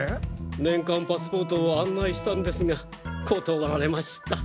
年間パスポートを案内したんですが断られました。